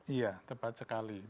iya tepat sekali